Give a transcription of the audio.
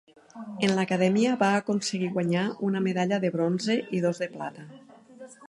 En l'acadèmia va aconseguir guanyar una medalla de bronze i dos de plata.